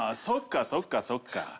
そっかそっかそっか。